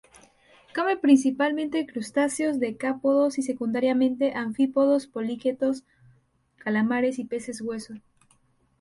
Come principalmente crustáceos decápodos y, secundariamente, anfípodos, poliquetos, calamares y peces hueso.